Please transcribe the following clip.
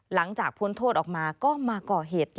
หลังจากพ้นโทษออกมาก็มาก่อเหตุ